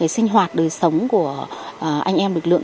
sinh hoạt đời sống của anh em lực lượng